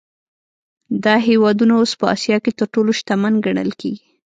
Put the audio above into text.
دا هېوادونه اوس په اسیا کې تر ټولو شتمن ګڼل کېږي.